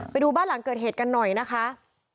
ไปดูบ้านหลังเกิดเหตุกันหน่อยนะคะ